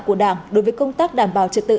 của đảng đối với công tác đảm bảo trật tự